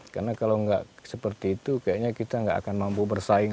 karena kalau nggak seperti itu kayaknya kita nggak akan mampu bersaing